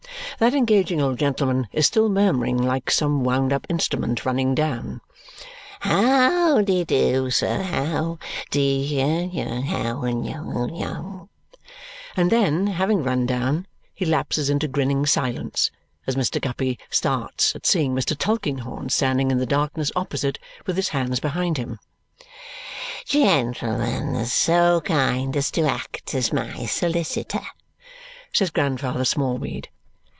That engaging old gentleman is still murmuring, like some wound up instrument running down, "How de do, sir how de how " And then having run down, he lapses into grinning silence, as Mr. Guppy starts at seeing Mr. Tulkinghorn standing in the darkness opposite with his hands behind him. "Gentleman so kind as to act as my solicitor," says Grandfather Smallweed.